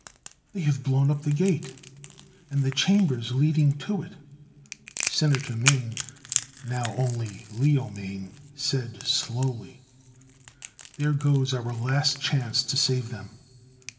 "They have blown up the gate! And the chambers leading to it!" Senator Mane now only Leo Mane said slowly. "There goes our last chance to save them!"